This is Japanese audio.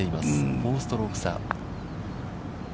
４ストローク差。